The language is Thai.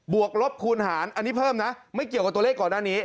วกลบคูณหารอันนี้เพิ่มนะไม่เกี่ยวกับตัวเลขก่อนหน้านี้